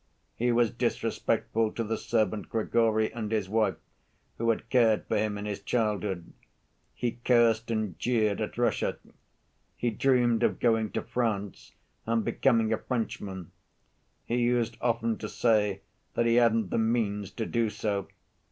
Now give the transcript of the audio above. He was disrespectful to the servant Grigory and his wife, who had cared for him in his childhood. He cursed and jeered at Russia. He dreamed of going to France and becoming a Frenchman. He used often to say that he hadn't the means to do so.